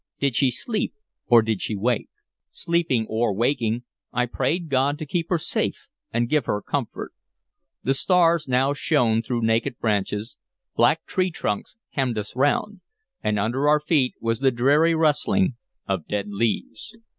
Did she sleep or did she wake? Sleeping or waking, I prayed God to keep her safe and give her comfort. The stars now shone through naked branches, black tree trunks hemmed us round, and under our feet was the dreary rustling of dead leaves.